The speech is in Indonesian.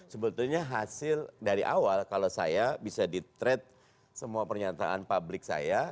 sebetulnya hasil dari awal kalau saya bisa di trade semua pernyataan publik saya